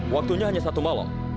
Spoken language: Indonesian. waktunya hanya satu malam